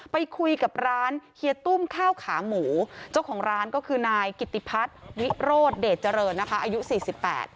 ไปคุยกับร้านเฮียตุ้มข้าวขาหมูเจ้าของร้านก็คือนายกิติพัฒน์วิโรธเดชเจริญนะคะอายุสี่สิบแปด